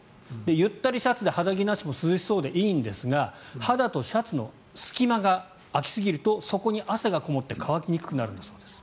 ゆったりシャツで肌着なしもよさそうなんですが肌とシャツの隙間が空きすぎるとそこに汗がこもって乾きにくくなるんだそうです。